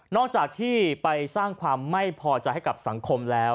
จากที่ไปสร้างความไม่พอใจให้กับสังคมแล้ว